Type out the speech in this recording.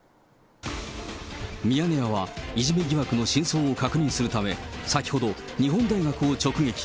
ミヤネ屋はいじめ疑惑の真相を確認するため、先ほど、日本大学を直撃。